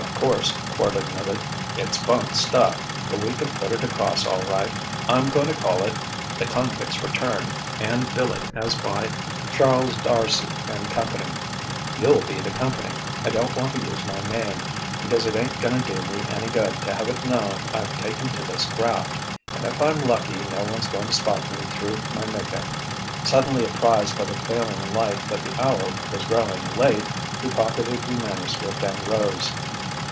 "Of course," Quard admitted, "it's bunk stuff, but we can put it across all right. I'm going to call it The Convict's Return and bill it as by Charles D'Arcy and Company. You'll be the company. I don't want to use my name, because it ain't going to do me any good to have it known I've taken to this graft, and if I'm lucky no one's going to spot me through my make up." Suddenly apprised by the failing light that the hour was growing late, he pocketed the manuscript and rose.